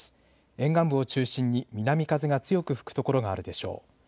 沿岸部を中心に南風が強く吹く所があるでしょう。